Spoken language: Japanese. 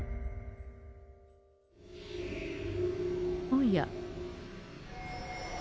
おや。